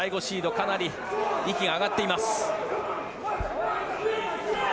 かなり息が上がっています。